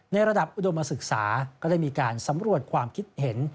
ระดับอุดมศึกษาก็ได้มีการสำรวจความคิดเห็น